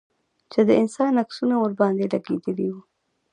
چې د انسان عکسونه ورباندې لگېدلي وو.